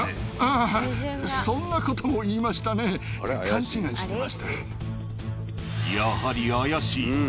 ああ、そんなことも言いましやはり怪しい。